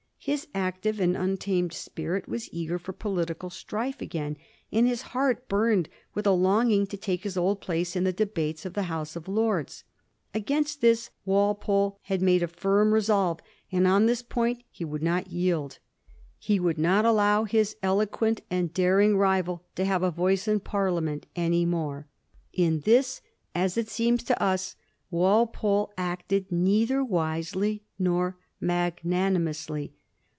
His active and untamed spirit was eager for political strife again ; and his heart burned with a longing to take his old place in the debates of the House of Lords. Against this Walpole had made a firm resolve ; on this point he would not yield. He would not allow his eloquent and daring rival to have a voice in Parliament any more. In this, as it seems to us, Walpole acted neither wisely nor magnani mously.